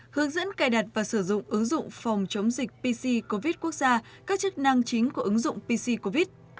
hướng dẫn cài đặt và sử dụng ứng dụng phòng chống dịch pc covid quốc gia các chức năng chính của ứng dụng pc covid